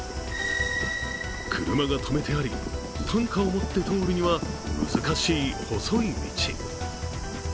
車が止めてあり、担架を持って通るには難しい細い道。